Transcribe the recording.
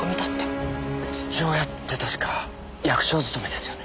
父親って確か役所勤めですよね？